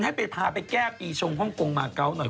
ให้ไปพาไปแก้ปีชงฮ่องกงมาเกาะหน่อย